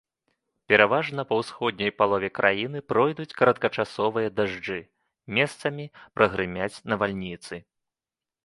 Пераважна па ўсходняй палове краіны пройдуць кароткачасовыя дажджы, месцамі прагрымяць навальніцы.